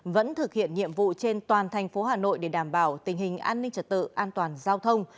vẫn thực hiện nhiệm vụ trên toàn thành phố hà nội để đảm bảo tình hình an ninh trật tự an toàn giao thông